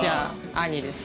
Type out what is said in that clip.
兄です。